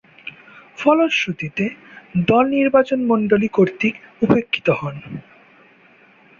ফলশ্রুতিতে, দল নির্বাচকমণ্ডলী কর্তৃক উপেক্ষিত হন।